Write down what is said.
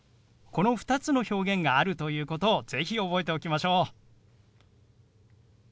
この２つの表現があるということを是非覚えておきましょう。